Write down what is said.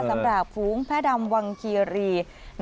สำหรับภูมิแพะดำวังคิรี